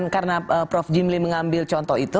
karena prof jimli mengambil contoh itu